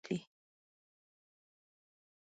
جنګونه زور واخلي.